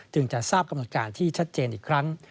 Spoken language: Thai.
จะทราบกำหนดการที่ชัดเจนอีกครั้ง